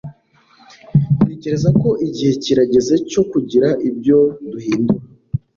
Ntekereza ko igihe kirageze cyo kugira ibyo duhindura.